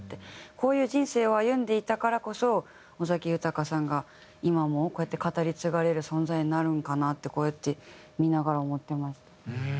こういう人生を歩んでいたからこそ尾崎豊さんが今もこうやって語り継がれる存在になるのかなってこうやって見ながら思ってました。